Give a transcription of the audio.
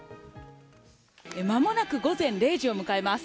間もなく午前０時を迎えます。